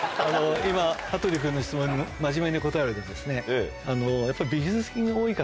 今羽鳥君の質問に真面目に答えるとやっぱり。